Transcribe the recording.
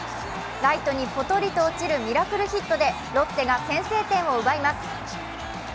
ライトにぽとりと落ちるミラクルヒットでロッテが先制点を奪います。